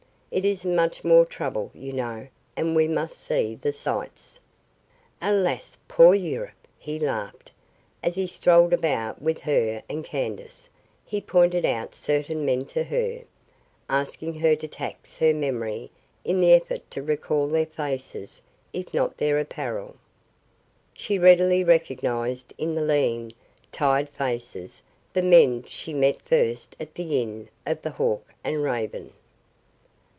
It isn't much more trouble, you know, and we must see the sights." "Alas, poor Europe!" he laughed. As he strolled about with her and Candace he pointed out certain men to her, asking her to tax her memory in the effort to recall their faces if not their apparel. She readily recognized in the lean, tired faces the men she had met first at the Inn of the Hawk and Raven.